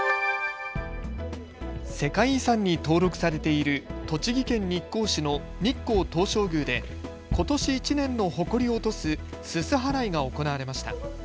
世界遺産に登録されている栃木県日光市の日光東照宮でことし１年のほこりを落とすすす払いが行われました。